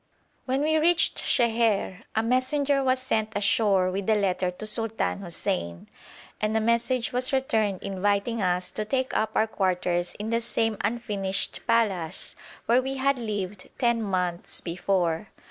When we reached Sheher, a messenger was sent ashore with a letter to Sultan Hussein, and a message was returned inviting us to take up our quarters in the same unfinished palace where we had lived ten months before.